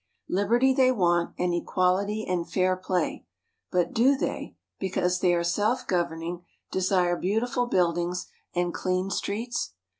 Liberty they want, and equality, and fair play; but do they, because they are self governing, desire beautiful buildings and clean streets?